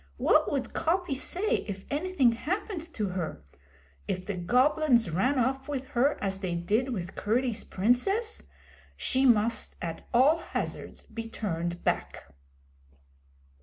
What would Coppy say if anything happened to her? If the Goblins ran off with her as they did with Curdie's Princess? She must at all hazards be turned back.